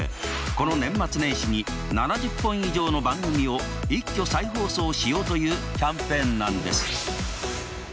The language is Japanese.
この年末年始に７０本以上の番組を一挙再放送しようというキャンペーンなんです。